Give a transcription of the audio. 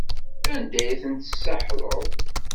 Anda ay tent-tessahleḍ?